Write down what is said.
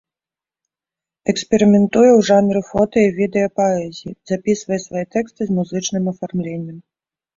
Эксперыментуе ў жанры фота і відэа-паэзіі, запісвае свае тэксты з музычным афармленнем.